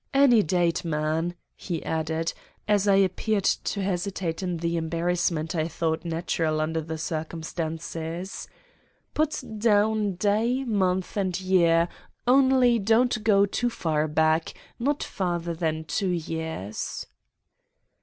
'Any date, man,' he added, as I appeared to hesitate in the embarrassment I thought natural under the circumstances. 'Put down day, month, and year, only don't go too far back; not farther than two years.